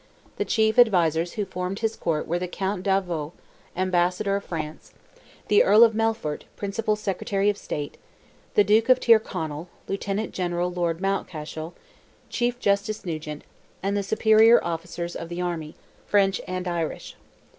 The chief advisers who formed his court were the Count d'Avaux, Ambassador of France, the Earl of Melfort, principal Secretary of State, the Duke of Tyrconnell, Lieutenant General Lord Mountcashel, Chief Justice Nugent, and the superior officers of the army, French and Irish.